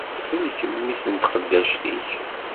Sellek mmi-s n tqeddact-ik!